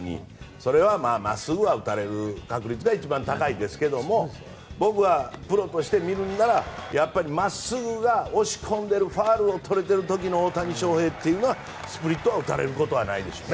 それは真っすぐは打たれる確率が一番高いですけど僕は、プロとしてみるなら真っすぐが押し込んでるファウルが取れている時の大谷翔平というのはスプリットは打たれることはないでしょうね。